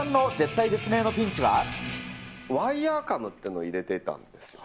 ワイヤーカムというのを入れてたんですよ。